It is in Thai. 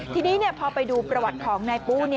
ทีนี้พอไปดูประวัติของนายปู้